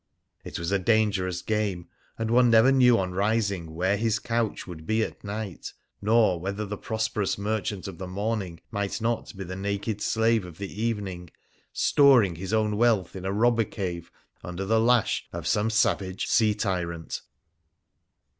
It was a dangerous game, and one never knew on rising where his couch would be at night, nor whether the prosperous merchant of the morning might not be the naked slave of the evening, storing his own wealth in a robber cave under the lash of some savage sea tyrant.